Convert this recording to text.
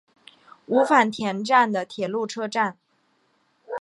五反田站的铁路车站。